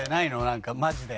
なんかマジで。